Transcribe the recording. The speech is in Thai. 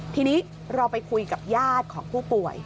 ทีนี้เราไปคุยกับญาติของผู้ป่วย